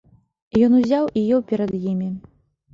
Ён узяў і еў перад імі.